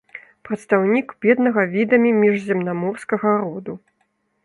Прадстаўнік беднага відамі міжземнаморскага роду.